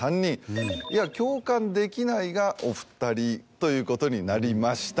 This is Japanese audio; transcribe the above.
いや共感できないがお２人ということになりました。